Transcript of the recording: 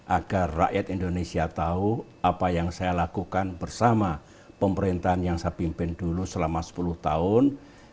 agar rakyat indonesia tahu apa yang saya lakukan bersama pemerintahan yang saya pimpin dulu selama sepuluh tahun